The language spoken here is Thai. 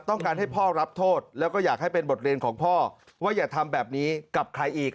ต้องการให้พ่อรับโทษแล้วก็อยากให้เป็นบทเรียนของพ่อว่าอย่าทำแบบนี้กับใครอีก